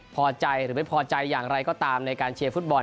พอใจหรือไม่พอใจอย่างไรก็ตามในการเชียร์ฟุตบอล